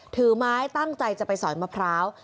ถือไม้ตั้งใจจะไปสอยมะพร้าว